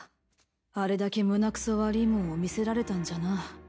あれだけ胸くそ悪ぃもんを見せられたんじゃな。